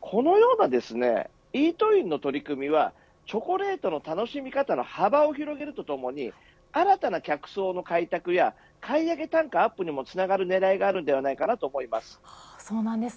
このようなイートインの取り組みはチョコレートの楽しみ方の幅を広げるとともに新たな客層の開拓や買い上げ単価アップにもつながるねらいがあるのではないかとそうなんですね。